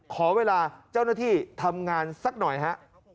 ขอเวลาเจ้าหน้าที่ทำงานสักหน่อยฮะ